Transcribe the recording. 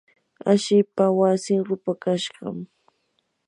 hashipa wasin rupakashqam.